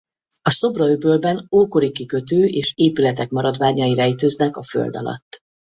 A Sobra-öbölben ókori kikötő és épületek maradványai rejtőznek a föld alatt.